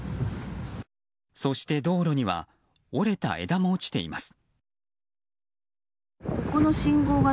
そして、道路には折れた枝も落ちています。